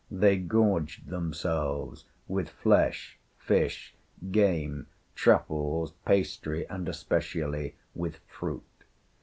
They gorged themselves with flesh, fish, game, truffles, pastry, and especially with fruit.